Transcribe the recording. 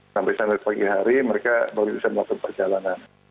sampai pagi hari mereka boleh bisa masuk perjalanan